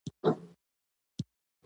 هغه حضرت محمد صلی الله علیه وسلم ته وویل.